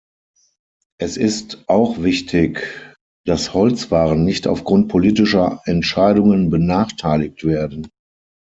Es ist auch wichtig, dass Holzwaren nicht aufgrund politischer Entscheidungen benachteiligt werden.